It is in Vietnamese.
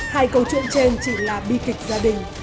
hai câu chuyện trên chỉ là bi kịch gia đình